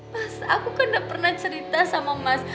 mas aku kan gak pernah cerita sama mas